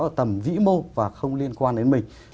ở tầm vĩ mô và không liên quan đến mình